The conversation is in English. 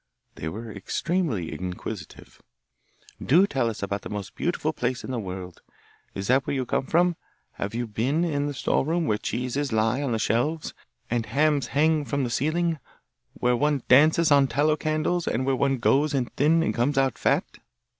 They were extremely inquisitive. 'Do tell us about the most beautiful place in the world. Is that where you come from? Have you been in the storeroom, where cheeses lie on the shelves, and hams hang from the ceiling, where one dances on tallow candles, and where one goes in thin and comes out fat?